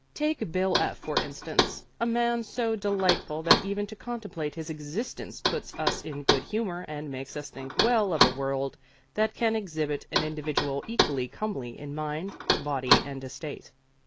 Take Bill F., for instance, a man so delightful that even to contemplate his existence puts us in good humor and makes us think well of a world that can exhibit an individual equally comely in mind, body and estate.